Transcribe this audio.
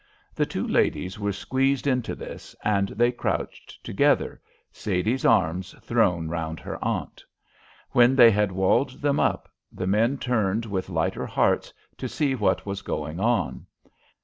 The two ladies were squeezed into this, and they crouched together, Sadie's arms thrown round her aunt. When they had walled them up, the men turned with lighter hearts to see what was going on.